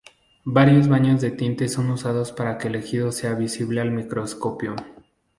Varios baños de tinte son usados para que el tejido sea visible al microscopio.